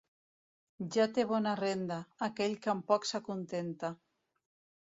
Ja té bona renda, aquell que amb poc s'acontenta.